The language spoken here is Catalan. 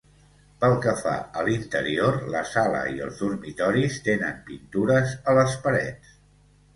Pel que fa a l'interior la sala i els dormitoris tenen pintures a les parets.